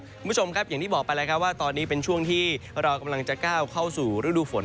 คุณผู้ชมครับอย่างที่บอกไปแล้วครับว่าตอนนี้เป็นช่วงที่เรากำลังจะก้าวเข้าสู่ฤดูฝน